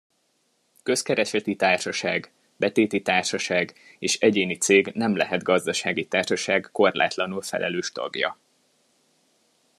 Közkereseti társaság, betéti társaság és egyéni cég nem lehet gazdasági társaság korlátlanul felelős tagja.